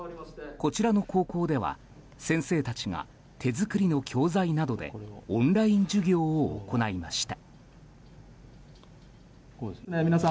こちらの高校では先生たちが手作りの教材などでオンライン授業を行いました。